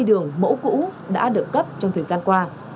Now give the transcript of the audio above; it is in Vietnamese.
đường mẫu cũ đã được cấp trong thời gian qua